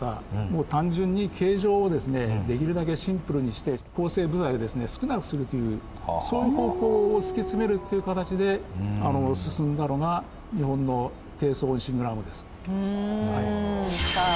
もう単純に形状をできるだけシンプルにして構成部材を少なくするというそういう方向を突き詰めるという形で進んだのがさあ